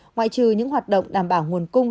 ngoại trừ những hoạt động đảm bảo nguồn cung